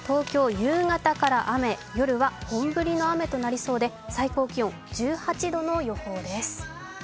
夜から本降りの雨となりそうで最高気温１８度の予報です。